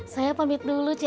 saya pamit dulu ceci